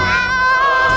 gak ada apa apa